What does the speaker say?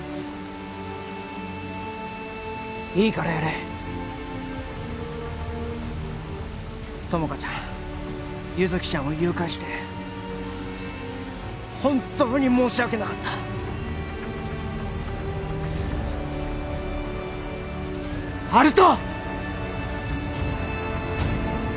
いいからやれ友果ちゃん優月ちゃんを誘拐して本当に申し訳なかった温人！